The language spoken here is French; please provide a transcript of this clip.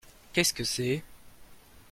Qu'est-ce que c'est ?